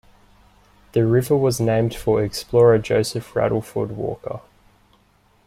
The river was named for explorer Joseph Reddeford Walker.